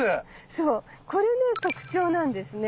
そうこれね特徴なんですね。